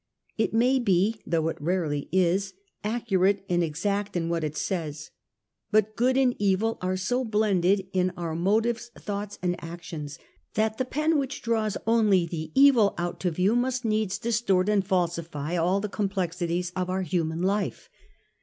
It may be, though it rarely is, accurate and exact in what it says, but good and evil are so blended in all our motives, thoughts, and actions that the pen which draws only the evil out to view must needs distort and falsify all the complexities of our human life.